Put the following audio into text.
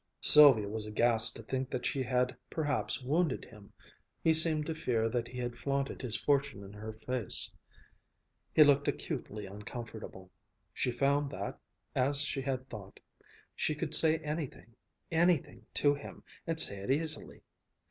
Sylvia was aghast to think that she had perhaps wounded him. He seemed to fear that he had flaunted his fortune in her face. He looked acutely uncomfortable. She found that, as she had thought, she could say anything, anything to him, and say it easily.